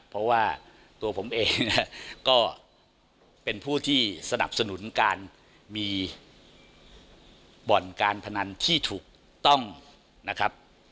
เพราะว่าตัวผมเองเนี่ยก็เป็นผู้ที่สนับสนุนการมีบ่อนการพนันที่ถูกต้องนะครับ